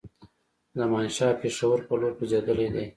زمانشاه پېښور پر لور خوځېدلی دی.